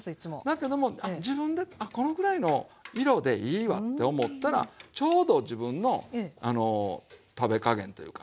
だけども自分でこのくらいの色でいいわって思ったらちょうど自分の食べ加減というかね